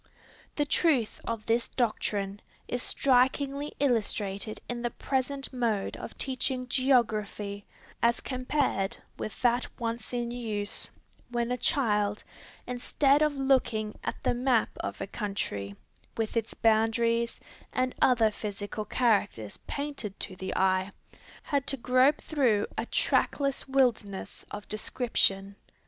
The truth of this doctrine is strikingly illustrated in the present mode of teaching geography, as compared with that once in use, when a child, instead of looking at the map of a country, with its boundaries and other physical characters painted to the eye, had to grope through a trackless wilderness of description.